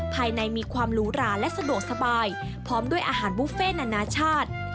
ภายในมีความหรูหราและสะดวกสบายพร้อมด้วยอาหารบุฟเฟ่นานานาชาติ